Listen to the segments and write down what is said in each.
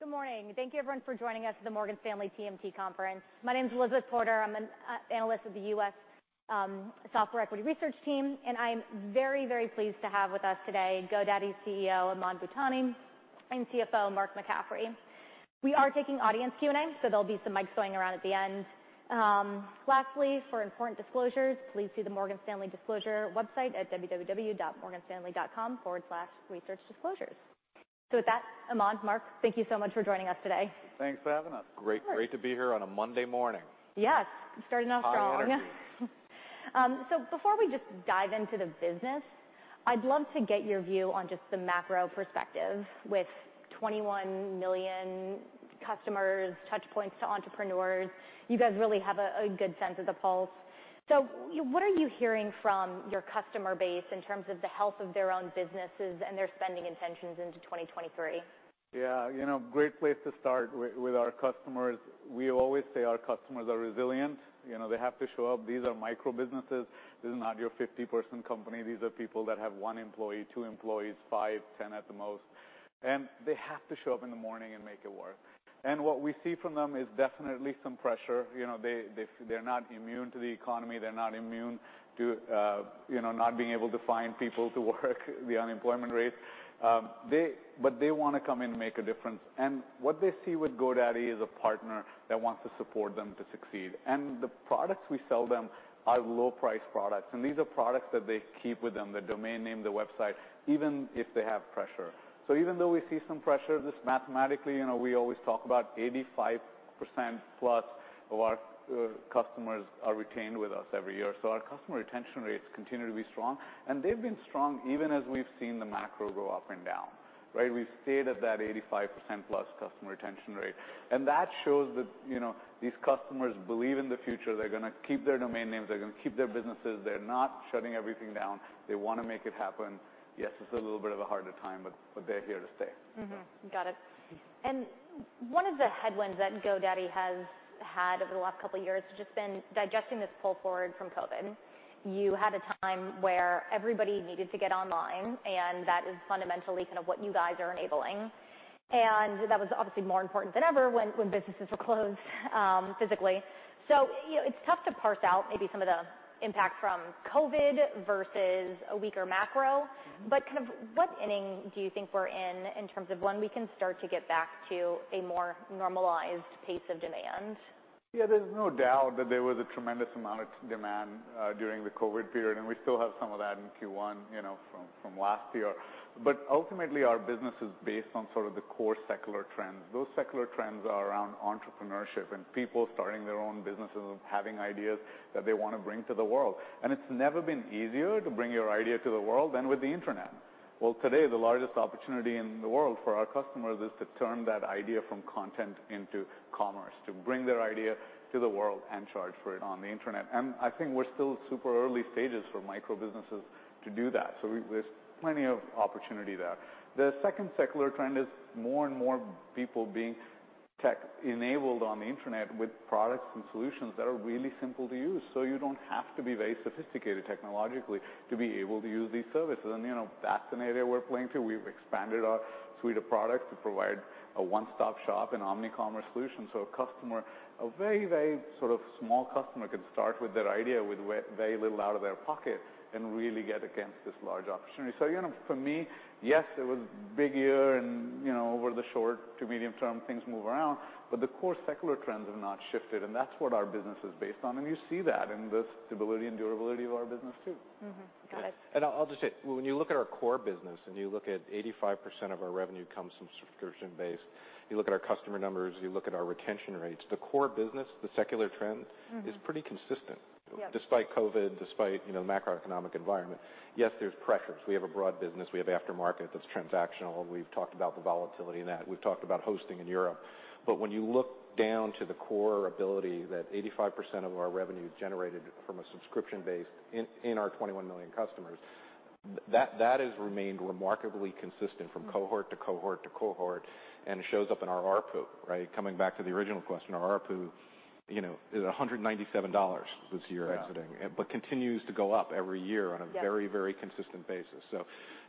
Good morning. Thank you everyone for joining us at the Morgan Stanley TMT Conference. My name's Elizabeth Porter. I'm an analyst of the US software equity research team, and I am very, very pleased to have with us today GoDaddy CEO, Aman Bhutani, and CFO, Mark McCaffrey. We are taking audience Q&A, so there'll be some mics going around at the end. Lastly, for important disclosures, please see the Morgan Stanley disclosure website at www.morganstanley.com/researchdisclosures. With that, Aman, Mark, thank you so much for joining us today. Thanks for having us. Great to be here on a Monday morning. Yes. Starting off strong. High energy. Before we just dive into the business, I'd love to get your view on just the macro perspective. With 21 million customers, touchpoints to entrepreneurs, you guys really have a good sense of the pulse. What are you hearing from your customer base in terms of the health of their own businesses and their spending intentions into 2023? Yeah. You know, great place to start with our customers, we always say our customers are resilient. You know, they have to show up. These are micro-businesses. This is not your 50-person company. These are people that have one employee, two employees, five, 10 at the most, and they have to show up in the morning and make it work. What we see from them is definitely some pressure. You know, they're not immune to the economy. They're not immune to, you know, not being able to find people to work, the unemployment rate. But they wanna come in and make a difference. What they see with GoDaddy is a partner that wants to support them to succeed. The products we sell them are low-priced products, and these are products that they keep with them, the domain name, the website, even if they have pressure. Even though we see some pressure, just mathematically, you know, we always talk about 85%+ of our customers are retained with us every year. Our customer retention rates continue to be strong, and they've been strong even as we've seen the macro go up and down, right? We've stayed at that 85%+ customer retention rate. That shows that, you know, these customers believe in the future. They're gonna keep their domain names. They're gonna keep their businesses. They're not shutting everything down. They wanna make it happen. Yes, it's a little bit of a harder time, but they're here to stay. Mm-hmm. Got it. One of the headwinds that GoDaddy has had over the last couple years has just been digesting this pull forward from COVID. You had a time where everybody needed to get online, and that is fundamentally kind of what you guys are enabling. That was obviously more important than ever when businesses were closed physically. You know, it's tough to parse out maybe some of the impact from COVID versus a weaker macro. Mm-hmm. Kind of what inning do you think we're in in terms of when we can start to get back to a more normalized pace of demand? Yeah, there's no doubt that there was a tremendous amount of demand during the COVID period. We still have some of that in Q1, you know, from last year. Ultimately, our business is based on sort of the core secular trends. Those secular trends are around entrepreneurship and people starting their own businesses and having ideas that they wanna bring to the world. It's never been easier to bring your idea to the world than with the internet. Well, today, the largest opportunity in the world for our customers is to turn that idea from content into commerce, to bring their idea to the world and charge for it on the internet. I think we're still super early stages for micro-businesses to do that, so there's plenty of opportunity there. The second secular trend is more and more people being tech-enabled on the internet with products and solutions that are really simple to use. You don't have to be very sophisticated technologically to be able to use these services. You know, that's an area we're playing to. We've expanded our suite of products to provide a one-stop shop and omnicommerce solution. A customer, a very sort of small customer can start with their idea with very little out of their pocket and really get against this large opportunity. You know, for me, yes, it was big year and, you know, over the short to medium term things move around, but the core secular trends have not shifted, and that's what our business is based on, and you see that in the stability and durability of our business too. Mm-hmm. Got it. I'll just say, when you look at our core business, and you look at 85% of our revenue comes from subscription base, you look at our customer numbers, you look at our retention rates, the core business, the secular trend... Mm-hmm. is pretty consistent. Yeah. Despite COVID, despite, you know, macroeconomic environment. Yes, there's pressures. We have a broad business. We have aftermarket that's transactional. We've talked about the volatility in that. We've talked about hosting in Europe. When you look down to the core ability that 85% of our revenue generated from a subscription base in our 21 million customers, that has remained remarkably consistent from cohort to cohort to cohort, and it shows up in our ARPU, right? Coming back to the original question, our ARPU, you know, is $197 this year exiting. Yeah. Continues to go up every year. Yeah. -on a very, very consistent basis.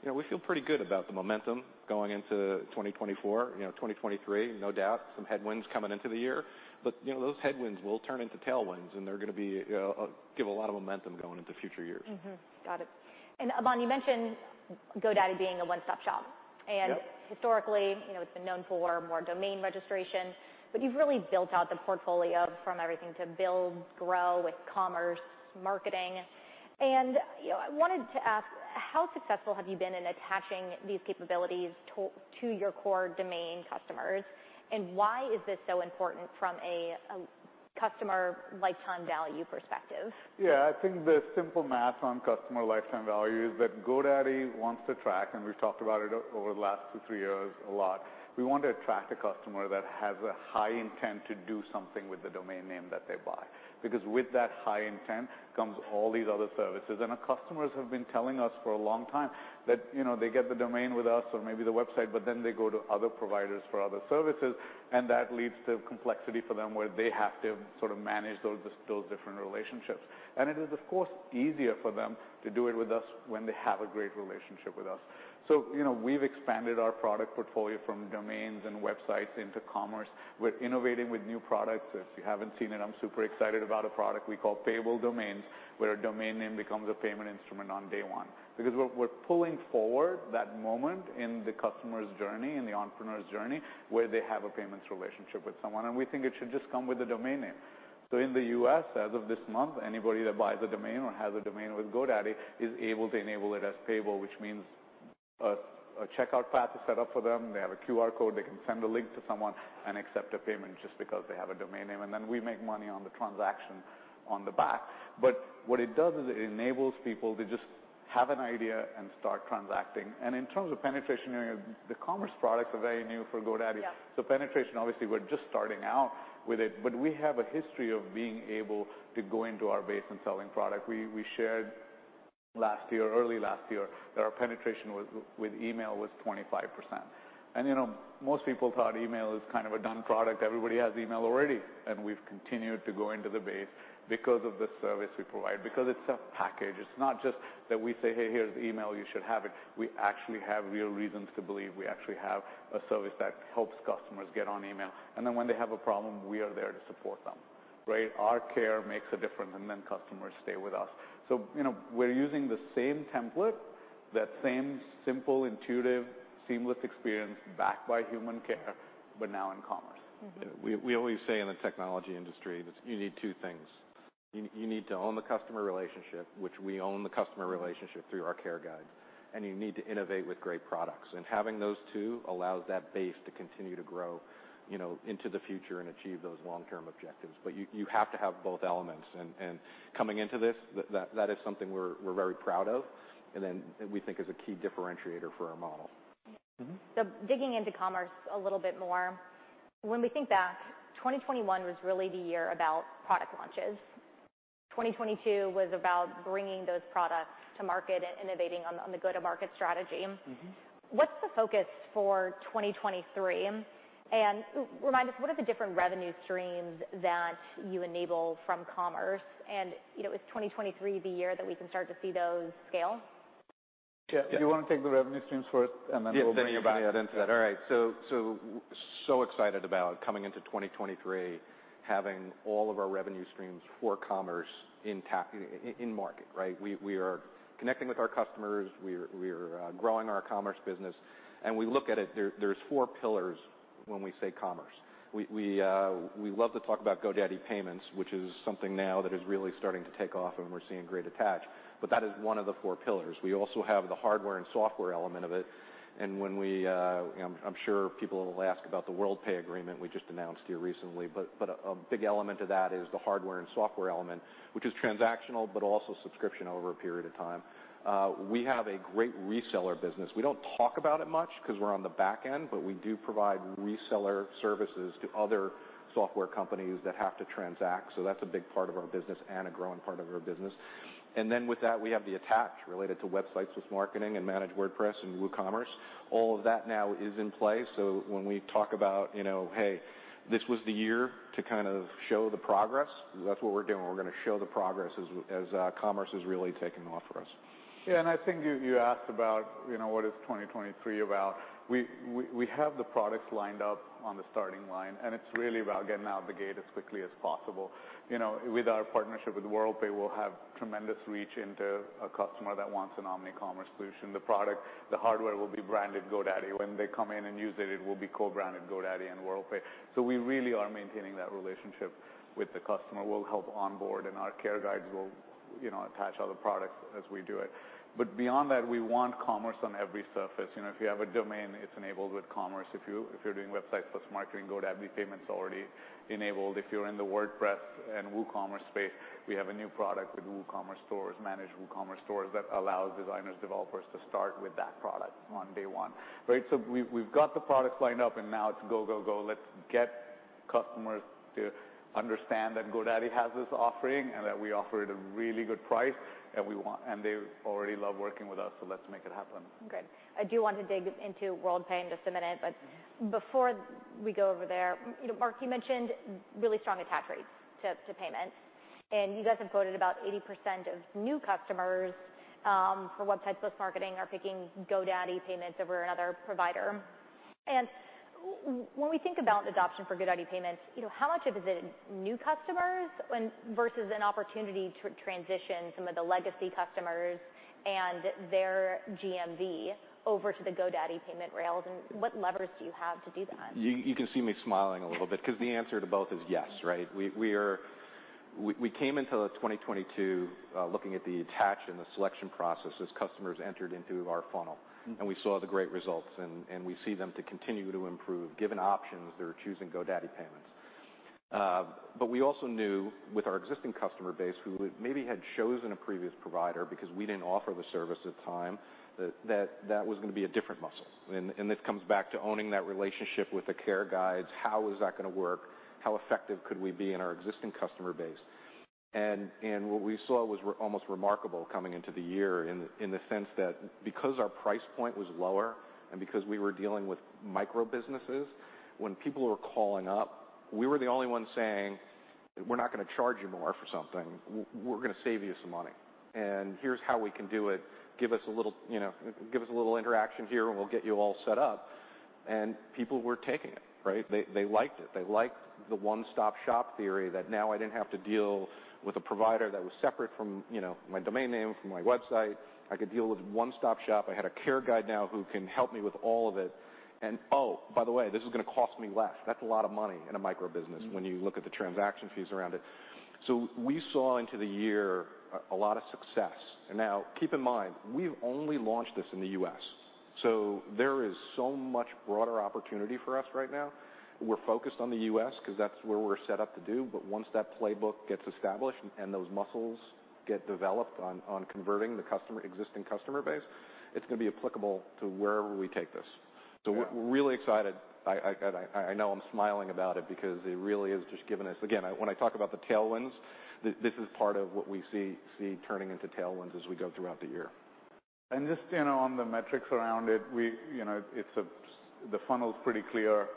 You know, we feel pretty good about the momentum going into 2024. You know, 2023, no doubt some headwinds coming into the year, but, you know, those headwinds will turn into tailwinds, and they're gonna be give a lot of momentum going into future years. Mm-hmm. Got it. And Aman, you mentioned GoDaddy being a one-stop shop. Yep. Historically, you know, it's been known for more domain registration, but you've really built out the portfolio from everything to build, grow with commerce, marketing. You know, I wanted to ask, how successful have you been in attaching these capabilities to your core domain customers, and why is this so important from a customer lifetime value perspective? Yeah. I think the simple math on customer lifetime value is that GoDaddy wants to attract, and we've talked about it over the last two, three years a lot, we want to attract a customer that has a high intent to do something with the domain name that they buy. Because with that high intent comes all these other services. Our customers have been telling us for a long time that, you know, they get the domain with us or maybe the website, but then they go to other providers for other services, and that leads to complexity for them, where they have to sort of manage those different relationships. It is, of course, easier for them to do it with us when they have a great relationship with us. You know, we've expanded our product portfolio from domains and websites into commerce. We're innovating with new products. If you haven't seen it, I'm super excited about a product we call Payable Domains, where a domain name becomes a payment instrument on day one. We're pulling forward that moment in the customer's journey, in the entrepreneur's journey, where they have a payments relationship with someone, and we think it should just come with a domain name. In the U.S., as of this month, anybody that buys a domain or has a domain with GoDaddy is able to enable it as payable, which means a checkout path is set up for them. They have a QR code. They can send a link to someone and accept a payment just because they have a domain name, and then we make money on the transaction on the back. What it does is it enables people to just have an idea and start transacting. In terms of penetration, you know, the commerce products are very new for GoDaddy. Yeah. Penetration, obviously, we're just starting out with it, but we have a history of being able to go into our base and selling product. We shared last year, early last year, that our penetration with email was 25%. You know, most people thought email is kind of a done product. Everybody has email already, and we've continued to go into the base because of the service we provide, because it's a package. It's not just that we say, "Hey, here's email. You should have it." We actually have real reasons to believe. We actually have a service that helps customers get on email, and then when they have a problem, we are there to support them, right? Our care makes a difference, and then customers stay with us. you know, we're using the same template, that same simple, intuitive, seamless experience backed by human care, but now in commerce. Mm-hmm. We always say in the technology industry is you need two things. You need to own the customer relationship, which we own the customer relationship through our Care Guide, and you need to innovate with great products. Having those two allows that base to continue to grow, you know, into the future and achieve those long-term objectives. You have to have both elements. Coming into this, that is something we're very proud of, then we think is a key differentiator for our model. Digging into commerce a little bit more, when we think back, 2021 was really the year about product launches. 2022 was about bringing those products to market and innovating on the go-to-market strategy. Mm-hmm. What's the focus for 2023? Remind us, what are the different revenue streams that you enable from commerce? You know, is 2023 the year that we can start to see those scale? Yeah. Do you wanna take the revenue streams first, and then we'll? Yes. You'll add into that. All right. So excited about coming into 2023, having all of our revenue streams for commerce in market, right? We are connecting with our customers. We're growing our commerce business. We look at it, there's four pillars when we say commerce. We love to talk about GoDaddy Payments, which is something now that is really starting to take off and we're seeing great attach, but that is one of the four pillars. We also have the hardware and software element of it, and when we... I'm sure people will ask about the Worldpay agreement we just announced here recently, but a big element of that is the hardware and software element, which is transactional, but also subscription over a period of time. We have a great reseller business. We don't talk about it much 'cause we're on the back end. We do provide reseller services to other software companies that have to transact. That's a big part of our business and a growing part of our business. With that, we have the attach related to Websites + Marketing and Managed WordPress and WooCommerce. All of that now is in play. When we talk about, you know, "Hey, this was the year to kind of show the progress," that's what we're doing. We're gonna show the progress as commerce is really taking off for us. I think you asked about, you know, what is 2023 about. We have the products lined up on the starting line, and it's really about getting out of the gate as quickly as possible. You know, with our partnership with Worldpay, we'll have tremendous reach into a customer that wants an omnicommerce solution. The product, the hardware will be branded GoDaddy. When they come in and use it will be co-branded GoDaddy and Worldpay. We really are maintaining that relationship with the customer. We'll help onboard, and our Care Guides will, you know, attach other products as we do it. Beyond that, we want commerce on every surface. You know, if you have a domain, it's enabled with commerce. If you, if you're doing Websites + Marketing, GoDaddy Payments already enabled. If you're in the WordPress and WooCommerce space, we have a new product with WooCommerce Stores, Managed WooCommerce Stores, that allows designers, developers to start with that product on day one, right? We've got the products lined up, and now it's go, go. Let's get customers to understand that GoDaddy has this offering and that we offer it at a really good price, and we want. They already love working with us, so let's make it happen. Good. I do want to dig into Worldpay in just a minute, but before we go over there, you know, Mark, you mentioned really strong attach rates to payments, and you guys have quoted about 80% of new customers for Websites + Marketing are picking GoDaddy Payments over another provider. When we think about adoption for GoDaddy Payments, you know, how much of it is new customers when, versus an opportunity to transition some of the legacy customers and their GMV over to the GoDaddy payment rails, and what levers do you have to do that? You can see me smiling a little bit 'cause the answer to both is yes, right? We came into 2022 looking at the attach and the selection process as customers entered into our funnel, and we saw the great results, and we see them to continue to improve. Given options, they're choosing GoDaddy Payments. We also knew with our existing customer base, who maybe had chosen a previous provider because we didn't offer the service at the time, that was gonna be a different muscle. This comes back to owning that relationship with the Care Guides. How is that gonna work? How effective could we be in our existing customer base? What we saw was almost remarkable coming into the year in the sense that because our price point was lower and because we were dealing with micro-businesses, when people were calling up, we were the only ones saying, "We're not gonna charge you more for something. We're gonna save you some money, and here's how we can do it. Give us a little, you know, give us a little interaction here, and we'll get you all set up." People were taking it, right? They liked it. They liked the one-stop shop theory, that now I didn't have to deal with a provider that was separate from, you know, my domain name, from my website. I could deal with one-stop shop. I had a Care Guide now who can help me with all of it. Oh, by the way, this is gonna cost me less. That's a lot of money in a microbusiness when you look at the transaction fees around it. We saw into the year a lot of success. Now keep in mind, we've only launched this in the U.S., so there is so much broader opportunity for us right now. We're focused on the U.S. because that's where we're set up to do. Once that playbook gets established and those muscles get developed on converting the existing customer base, it's going to be applicable to wherever we take this. Yeah. We're really excited. I know I'm smiling about it because it really has just given us. Again, when I talk about the tailwinds, this is part of what we see turning into tailwinds as we go throughout the year. Just, you know, on the metrics around it, we, you know, the funnel is pretty clear.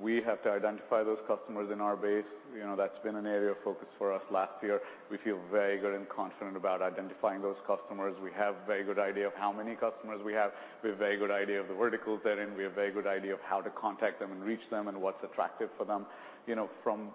We have to identify those customers in our base. You know, that's been an area of focus for us last year. We feel very good and confident about identifying those customers. We have very good idea of how many customers we have. We have very good idea of the verticals they're in. We have very good idea of how to contact them and reach them and what's attractive for them. You know, from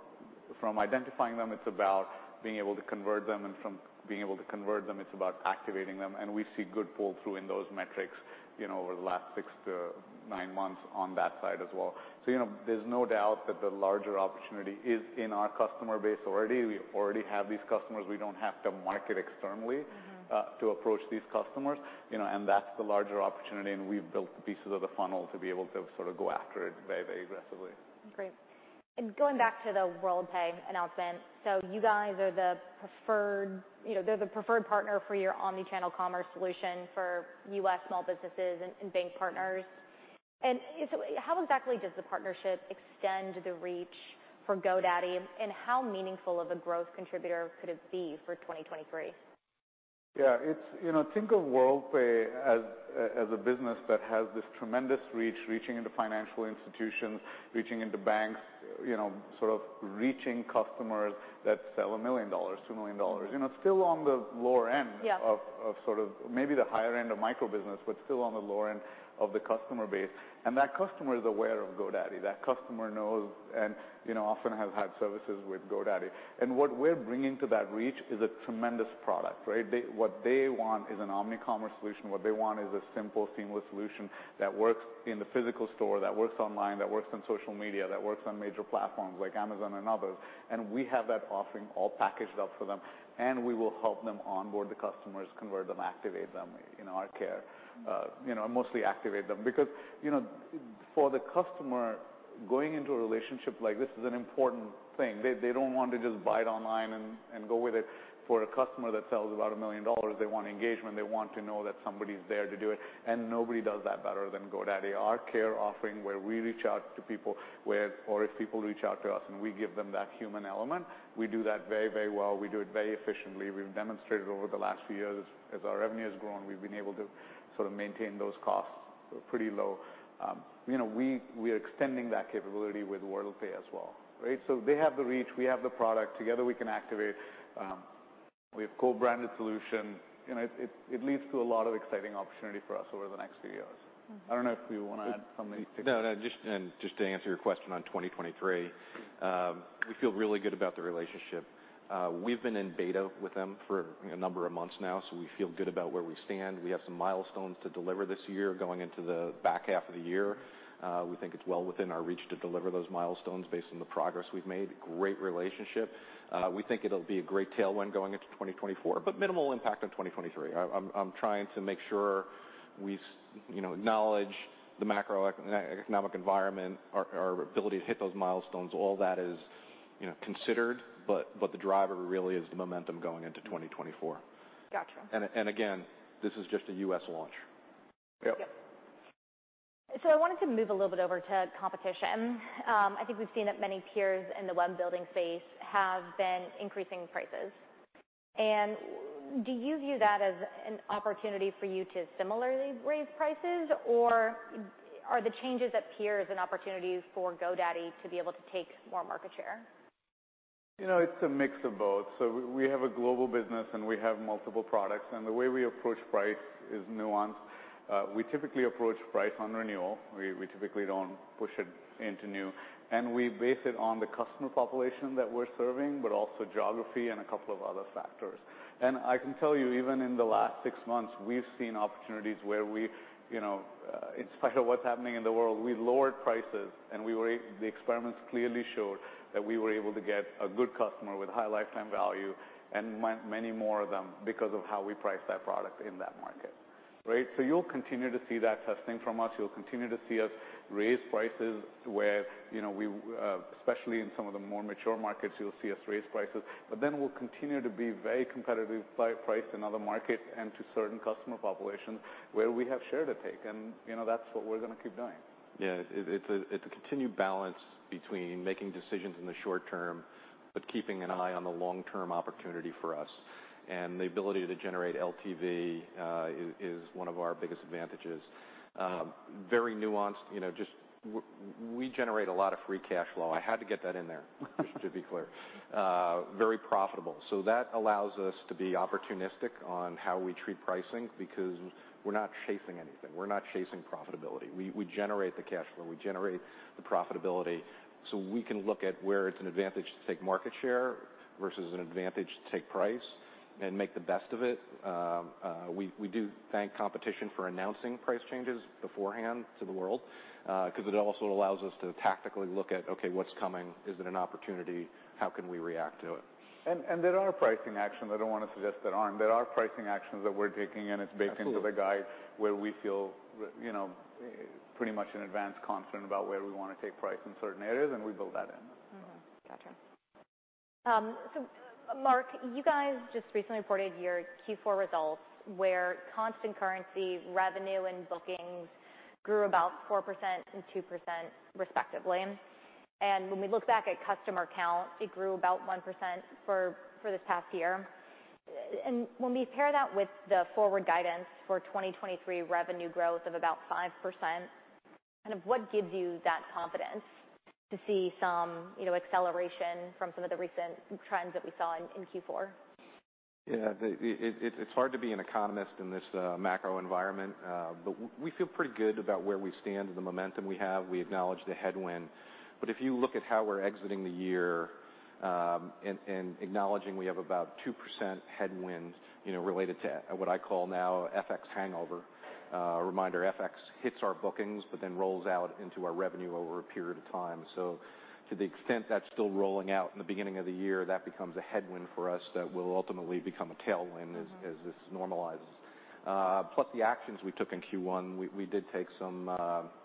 identifying them, it's about being able to convert them. From being able to convert them, it's about activating them. We see good pull through in those metrics, you know, over the last six to nine months on that side as well. You know, there's no doubt that the larger opportunity is in our customer base already. We already have these customers. We don't have to market externally. Mm-hmm. To approach these customers, you know, that's the larger opportunity. We've built pieces of the funnel to be able to sort of go after it very, very aggressively. Great. Going back to the Worldpay announcement. So you guys are the preferred, you know, they're the preferred partner for your omni-channel commerce solution for U.S. small businesses and bank partners. How exactly does the partnership extend the reach for GoDaddy, and how meaningful of a growth contributor could it be for 2023? Yeah, it's, you know, think of Worldpay as a business that has this tremendous reach, reaching into financial institutions, reaching into banks, you know, sort of reaching customers that sell $1 million, $2 million, you know, still on the lower end... Yeah. of sort of maybe the higher end of micro business, but still on the lower end of the customer base. That customer is aware of GoDaddy. That customer knows and, you know, often has had services with GoDaddy. What we're bringing to that reach is a tremendous product, right? What they want is an omnicommerce solution. What they want is a simple, seamless solution that works in the physical store, that works online, that works on social media, that works on major platforms like Amazon and others. We have that offering all packaged up for them, and we will help them onboard the customers, convert them, activate them in our care, you know, mostly activate them because, you know, for the customer, going into a relationship like this is an important thing. They don't want to just buy it online and go with it. For a customer that sells about $1 million, they want engagement. They want to know that somebody's there to do it. Nobody does that better than GoDaddy. Our care offering, where we reach out to people or if people reach out to us, and we give them that human element, we do that very, very well. We do it very efficiently. We've demonstrated over the last few years, as our revenue has grown, we've been able to sort of maintain those costs pretty low. You know, we're extending that capability with Worldpay as well, right? They have the reach, we have the product. Together we can activate. We have co-branded solution. You know, it leads to a lot of exciting opportunity for us over the next few years. Mm-hmm. I don't know if you want to add something. No, no, just to answer your question on 2023, we feel really good about the relationship. We've been in beta with them for a number of months now, so we feel good about where we stand. We have some milestones to deliver this year. Going into the back half of the year, we think it's well within our reach to deliver those milestones based on the progress we've made. Great relationship. We think it'll be a great tailwind going into 2024, but minimal impact on 2023. I'm trying to make sure we you know, acknowledge the macroeconomic environment, our ability to hit those milestones, all that is, you know, considered, but the driver really is the momentum going into 2024. Gotcha. And again, this is just a U.S. launch. Yep. Yep. I wanted to move a little bit over to competition. I think we've seen that many peers in the web building space have been increasing prices. Do you view that as an opportunity for you to similarly raise prices, or are the changes at peers an opportunities for GoDaddy to be able to take more market share? You know, it's a mix of both. We have a global business, and we have multiple products, and the way we approach price is nuanced. We typically approach price on renewal. We typically don't push it into new, and we base it on the customer population that we're serving, but also geography and a couple of other factors. I can tell you, even in the last six months, we've seen opportunities where we, you know, in spite of what's happening in the world, we lowered prices, and the experiments clearly showed that we were able to get a good customer with high lifetime value and many more of them because of how we price that product in that market, right? You'll continue to see that testing from us. You'll continue to see us raise prices where, you know, we especially in some of the more mature markets, you'll see us raise prices, but then we'll continue to be very competitive priced in other markets and to certain customer populations where we have share to take. You know, that's what we're gonna keep doing. Yeah, it's a continued balance between making decisions in the short term, but keeping an eye on the long-term opportunity for us. The ability to generate LTV is one of our biggest advantages. Very nuanced. You know, we generate a lot of free cash flow. I had to get that in there, just to be clear. Very profitable. That allows us to be opportunistic on how we treat pricing, because we're not chasing anything. We're not chasing profitability. We generate the cash flow, we generate the profitability, so we can look at where it's an advantage to take market share versus an advantage to take price. And make the best of it. We do thank competition for announcing price changes beforehand to the world, 'cause it also allows us to tactically look at, okay, what's coming? Is it an opportunity? How can we react to it? There are pricing actions. I don't want to suggest there aren't. There are pricing actions that we're taking, and it's baked- Absolutely -into the guide where we feel, you know, pretty much in advance confident about where we wanna take price in certain areas, and we build that in. Gotcha. Mark, you guys just recently reported your Q4 results, where constant currency revenue and bookings grew about 4% and 2% respectively. When we look back at customer count, it grew about 1% for this past year. When we pair that with the forward guidance for 2023 revenue growth of about 5%, kind of what gives you that confidence to see some, you know, acceleration from some of the recent trends that we saw in Q4? Yeah. It's hard to be an economist in this macro environment, but we feel pretty good about where we stand and the momentum we have. We acknowledge the headwind. If you look at how we're exiting the year, and acknowledging we have about 2% headwind, you know, related to what I call now FX hangover. Reminder, FX hits our bookings, but then rolls out into our revenue over a period of time. To the extent that's still rolling out in the beginning of the year, that becomes a headwind for us that will ultimately become a tailwind. Mm-hmm as this normalizes. Plus the actions we took in Q1. We did take some,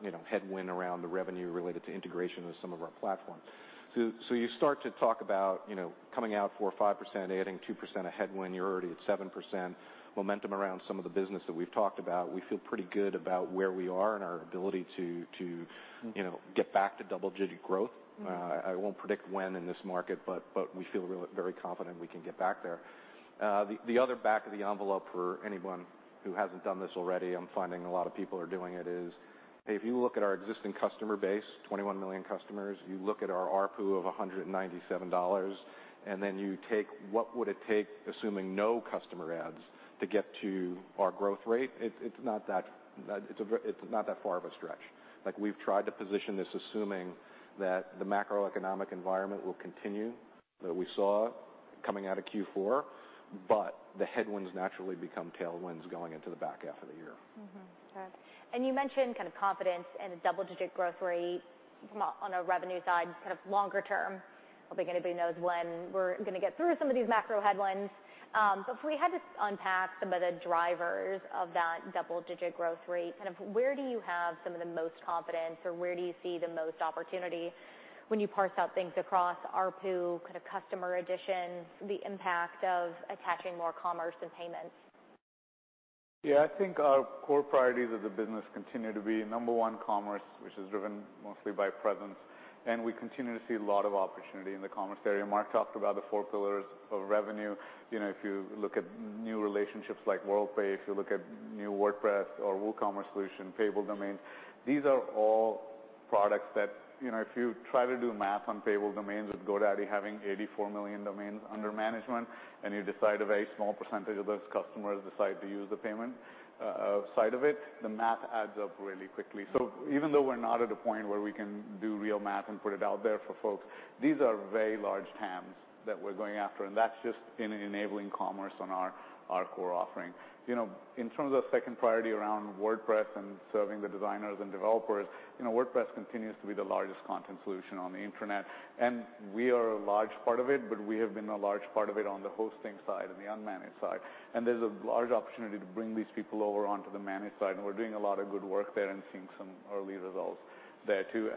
you know, headwind around the revenue related to integration with some of our platforms. You start to talk about, you know, coming out 4% or 5%, adding 2% of headwind, you're already at 7%. Momentum around some of the business that we've talked about, we feel pretty good about where we are and our ability to. Mm-hmm you know, get back to double-digit growth. We feel very confident we can get back there. The other back of the envelope for anyone who hasn't done this already, I'm finding a lot of people are doing it, is if you look at our existing customer base, 21 million customers, you look at our ARPU of $197, and then you take what would it take, assuming no customer adds, to get to our growth rate, it's not that far of a stretch. We've tried to position this assuming that the macroeconomic environment will continue that we saw coming out of Q4, but the headwinds naturally become tailwinds going into the back half of the year. Mm-hmm. Okay. You mentioned kind of confidence and a double-digit growth rate on a revenue side, kind of longer term. Don't think anybody knows when we're gonna get through some of these macro headwinds. If we had to unpack some of the drivers of that double-digit growth rate, kind of where do you have some of the most confidence, or where do you see the most opportunity when you parse out things across ARPU, kind of customer addition, the impact of attaching more commerce and payments? Yeah. I think our core priorities as a business continue to be, number one, commerce, which is driven mostly by presence. We continue to see a lot of opportunity in the commerce area. Mark talked about the four pillars of revenue. You know, if you look at new relationships like Worldpay, if you look at new WordPress or WooCommerce solution, Payable Domain, these are all products that, you know, if you try to do math on Payable Domains with GoDaddy having 84 million domains under management, and you decide a very small % of those customers decide to use the payment side of it, the math adds up really quickly. Even though we're not at a point where we can do real math and put it out there for folks, these are very large TAMs that we're going after, and that's just in enabling commerce on our core offering. You know, in terms of second priority around WordPress and serving the designers and developers, you know, WordPress continues to be the largest content solution on the internet, and we are a large part of it, but we have been a large part of it on the hosting side and the unmanaged side. There's a large opportunity to bring these people over onto the managed side, and we're doing a lot of good work there and seeing some early results there too.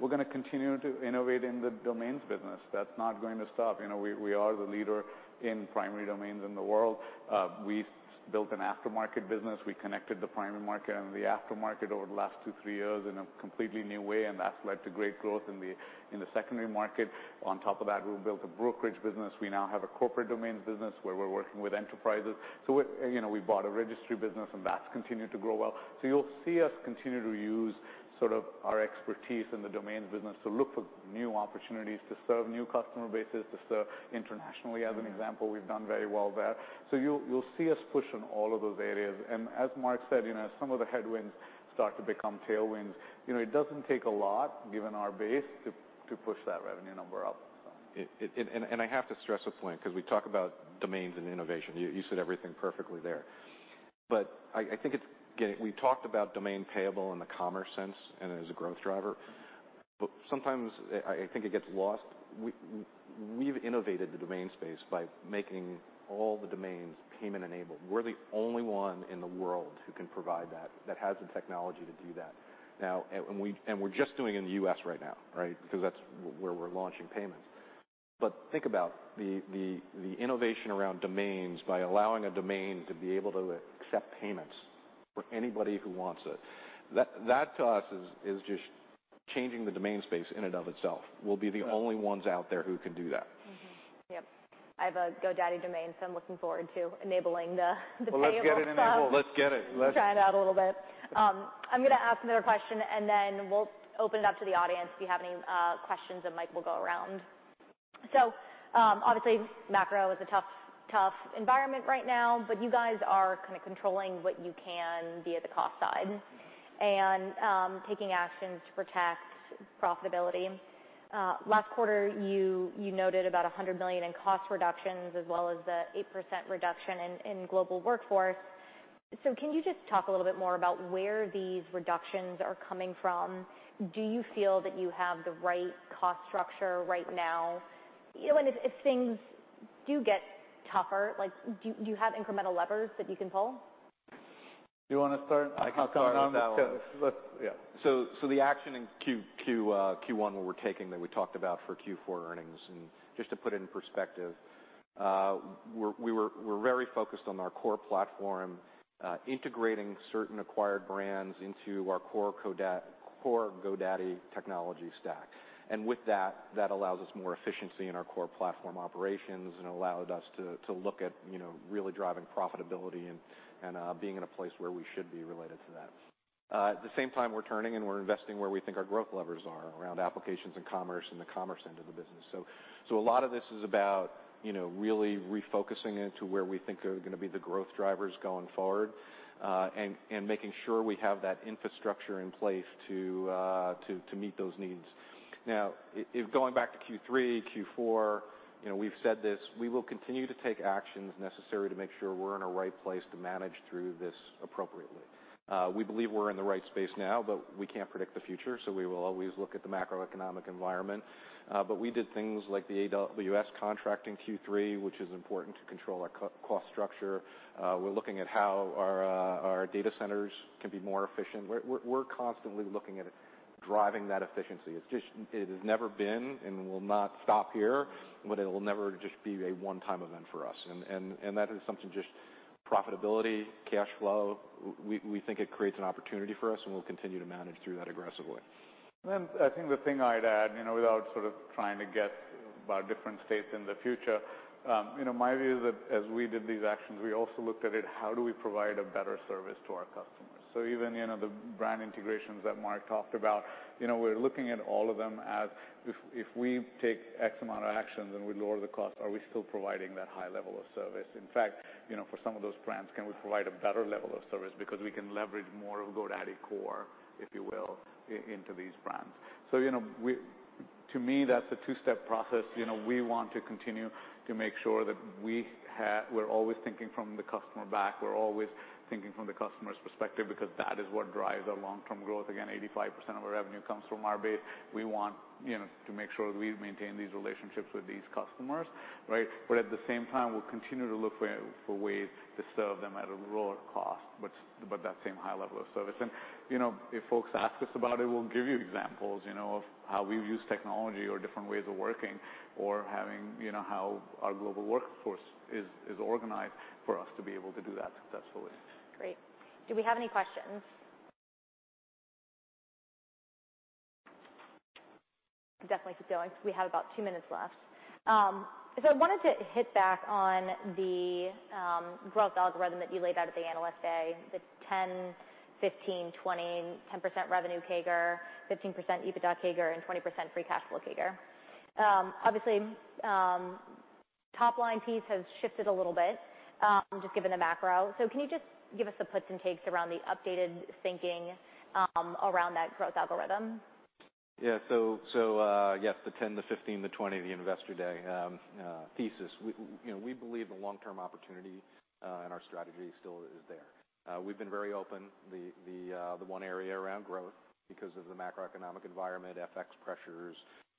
We're going to continue to innovate in the domains business. That's not going to stop. You know, we are the leader in primary domains in the world. We've built an aftermarket business. We connected the primary market and the aftermarket over the last two, three years in a completely new way, and that's led to great growth in the secondary market. On top of that, we've built a brokerage business. We now have a corporate domains business where we're working with enterprises. You know, we bought a registry business and that's continued to grow well. You'll see us continue to use sort of our expertise in the domains business to look for new opportunities to serve new customer bases, to serve internationally as an example. We've done very well there. You'll see us push in all of those areas. As Mark said, you know, as some of the headwinds start to become tailwinds, you know, it doesn't take a lot, given our base, to push that revenue number up. It. I have to stress this point, because we talk about domains and innovation. You said everything perfectly there. We talked about Payable Domains in the commerce sense and as a growth driver, but sometimes I think it gets lost. We've innovated the domain space by making all the domains payment-enabled. We're the only one in the world who can provide that has the technology to do that. Now, we're just doing it in the U.S. right now, right? Because that's where we're launching payments. Think about the innovation around domains by allowing a domain to be able to accept payments for anybody who wants it. That to us is just changing the domain space in and of itself. We'll be the only ones out there who can do that. Mm-hmm. Yep. I have a GoDaddy domain, so I'm looking forward to enabling the Payable stuff. Well, let's get it enabled. Let's get it. Try it out a little bit. I'm gonna ask another question, and then we'll open it up to the audience if you have any questions, and Mike will go around. Obviously macro is a tough environment right now, but you guys are kinda controlling what you can via the cost side and taking actions to protect profitability. Last quarter, you noted about $100 million in cost reductions as well as the 8% reduction in global workforce. Can you just talk a little bit more about where these reductions are coming from? Do you feel that you have the right cost structure right now? You know, and if things do get tougher, like, do you have incremental levers that you can pull? Do you wanna start? I can start. No, I'm Look, yeah. So the action in Q1 that we're taking, that we talked about for Q4 earnings, and just to put it in perspective, we're very focused on our core platform, integrating certain acquired brands into our core GoDaddy technology stack. With that allows us more efficiency in our core platform operations and allowed us to look at, you know, really driving profitability and being in a place where we should be related to that. At the same time, we're turning and we're investing where we think our growth levers are around applications and commerce in the commerce end of the business. A lot of this is about, you know, really refocusing into where we think are gonna be the growth drivers going forward, and making sure we have that infrastructure in place to meet those needs. Now, if going back to Q3, Q4, you know, we've said this, we will continue to take actions necessary to make sure we're in a right place to manage through this appropriately. We believe we're in the right space now, we can't predict the future, so we will always look at the macroeconomic environment. We did things like the AWS contract in Q3, which is important to control our cost structure. We're looking at how our data centers can be more efficient. We're constantly looking at driving that efficiency. It's just, it has never been and will not stop here, but it'll never just be a one-time event for us. That is something just profitability, cash flow, we think it creates an opportunity for us, and we'll continue to manage through that aggressively. I think the thing I'd add, you know, without sort of trying to get about different states in the future, you know, my view is that as we did these actions, we also looked at it, how do we provide a better service to our customers? Even, you know, the brand integrations that Mark talked about, you know, we're looking at all of them as if we take X amount of actions and we lower the cost, are we still providing that high level of service? In fact, you know, for some of those brands, can we provide a better level of service because we can leverage more of GoDaddy core, if you will, into these brands. You know, to me, that's a two-step process. You know, we want to continue to make sure that we're always thinking from the customer back, we're always thinking from the customer's perspective because that is what drives our long-term growth. Again, 85% of our revenue comes from our base. We want, you know, to make sure we maintain these relationships with these customers, right? At the same time, we'll continue to look for ways to serve them at a lower cost, but that same high level of service. You know, if folks ask us about it, we'll give you examples, you know, of how we've used technology or different ways of working or having, you know, how our global workforce is organized for us to be able to do that successfully. Great. Do we have any questions? Definitely keep going. We have about two minutes left. I wanted to hit back on the growth algorithm that you laid out at the Analyst Day, the 10% revenue CAGR, 15% EBITDA CAGR, and 20% free cash flow CAGR. Obviously, top line piece has shifted a little bit, just given the macro. Can you just give us the puts and takes around the updated thinking around that growth algorithm? Yes, the 10, the 15, the 20, the Investor Day thesis, we, you know, we believe the long-term opportunity, and our strategy still is there. We've been very open. The one area around growth because of the macroeconomic environment, FX pressures,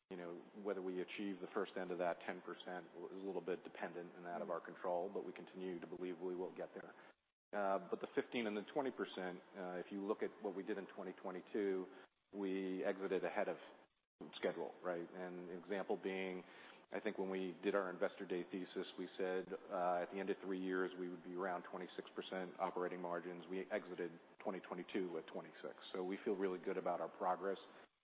you know, whether we achieve the first end of that 10% was a little bit dependent and out of our control, we continue to believe we will get there. The 15% and the 20%, if you look at what we did in 2022, we exited ahead of schedule, right? Example being, I think when we did our Investor Day thesis, we said, at the end of three years, we would be around 26% operating margins. We exited 2022 with 26%. We feel really good about our progress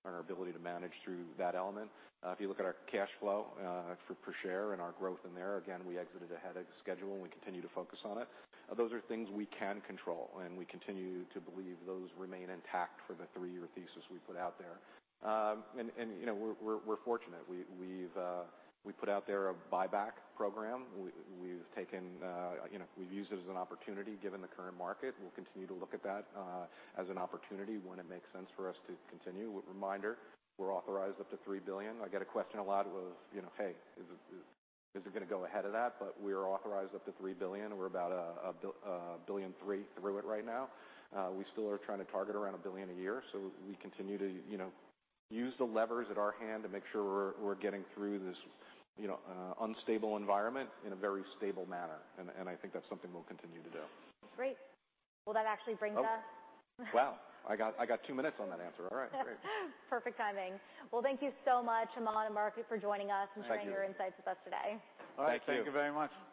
and our ability to manage through that element. If you look at our cash flow, per share and our growth in there, again, we exited ahead of schedule, and we continue to focus on it. Those are things we can control, and we continue to believe those remain intact for the three years thesis we put out there. You know, we're, we're fortunate. We, we've, we put out there a buyback program. We, we've taken, you know, we've used it as an opportunity, given the current market. We'll continue to look at that as an opportunity when it makes sense for us to continue. Reminder, we're authorized up to $3 billion. I get a question a lot with, you know, "Hey, is it gonna go ahead of that?" We are authorized up to $3 billion. We're about $1.3 billion through it right now. We still are trying to target around $1 billion a year, so we continue to, you know, use the levers at our hand to make sure we're getting through this, you know, unstable environment in a very stable manner. I think that's something we'll continue to do. Great. Well, that actually brings us. Wow, I got two minutes on that answer. All right. Great. Perfect timing. Thank you so much, Aman and Mark, for joining us. Thank you. Sharing your insights with us today. Thank you. All right. Thank you very much. Thank you.